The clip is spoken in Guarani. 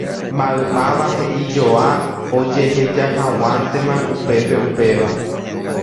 Maymáva he'ijoa ojehejahag̃uántema upépe upéva.